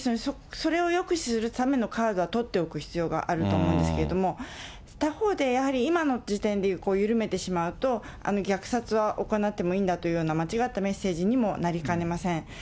それを抑止するためのカードは取っておく必要があると思うんですけれども、他方でやはり、今の時点で緩めてしまうと、虐殺は行ってもいいんだっていうような、間違ったメッセージにもなりかねません。